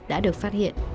đã được phát hiện